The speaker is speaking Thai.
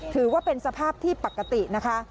ถือว่าเป็นสภาพที่ปกตินะคะ